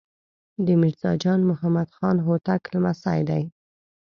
د میرزا جان محمد خان هوتک لمسی دی.